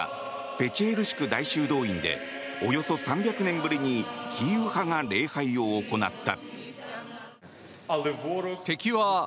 ペチェールシク大修道院でおよそ３００年ぶりにキーウ派が礼拝を行った。